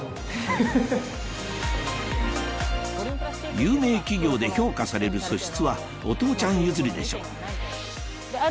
有名企業で評価される素質はお父ちゃん譲りでしょうある